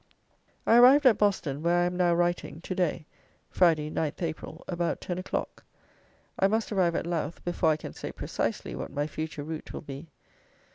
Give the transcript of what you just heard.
I arrived at Boston (where I am now writing) to day, (Friday, 9th April) about ten o'clock. I must arrive at Louth before I can say precisely what my future route will be.